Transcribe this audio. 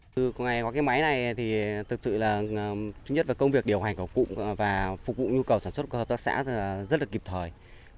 từ ngày có cái máy này thì thực sự là công việc điều hành của phụ và phục vụ nhu cầu sản xuất của hợp tác xã rất là kịp thời